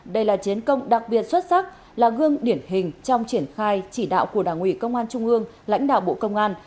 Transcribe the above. đây là chiến công đặc biệt xuất sắc là gương điển hình trong triển khai chỉ đạo của đảng ủy công an trung ương lãnh đạo bộ công an